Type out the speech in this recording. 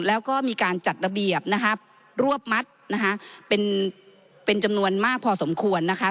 แล้วก็มีการจัดระเบียบรวบมัดเป็นจำนวนมากพอสมควรนะคะ